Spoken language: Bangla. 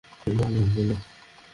না, জানতো না।